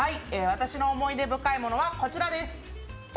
私の思い出深いものはこちらです。